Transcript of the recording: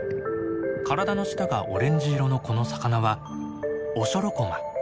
体の下がオレンジ色のこの魚はオショロコマ。